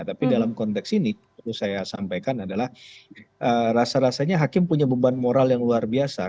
tapi dalam konteks ini perlu saya sampaikan adalah rasa rasanya hakim punya beban moral yang luar biasa